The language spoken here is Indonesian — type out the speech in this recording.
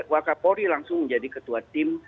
waka polri langsung menjadi ketua tim